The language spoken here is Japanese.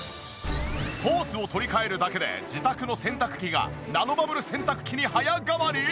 ホースを取り換えるだけで自宅の洗濯機がナノバブル洗濯機に早変わり！？